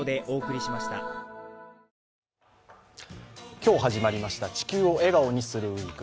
今日始まりました「地球を笑顔にするＷＥＥＫ」。